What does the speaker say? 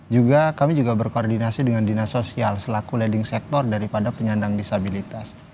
juga kami juga berkoordinasi dengan dinas sosial selaku leading sector daripada penyandang disabilitas